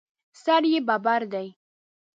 سر یې ببر دی.